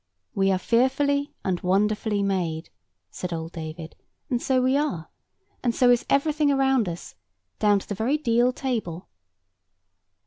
"We are fearfully and wonderfully made," said old David; and so we are; and so is everything around us, down to the very deal table.